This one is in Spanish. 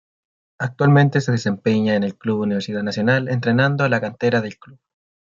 Actualmente se desempeña en el club Universidad Nacional entrenando a la cantera del club.